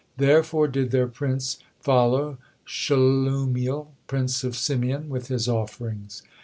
Therefore did their prince follow Shelumiel, prince of Simeon, with his offerings.